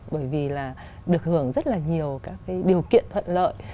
bởi vì là được hưởng rất là nhiều các cái điều kiện thuận lợi